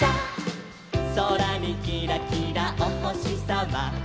「そらにキラキラおほしさま」